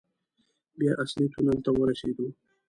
بيا اصلي تونل ته ورسېدو.